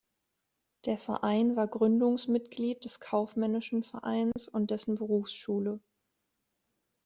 Der Verein war Gründungsmitglied des Kaufmännischen Vereins und dessen Berufsschule.